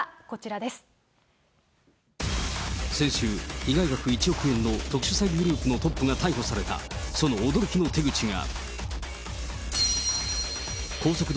先週、被害額１億円の特殊詐欺グループのトップが逮捕された、その驚きの手口が。